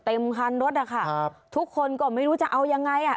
เต็มคันรถอะค่ะครับทุกคนก็ไม่รู้จะเอายังไงอ่ะ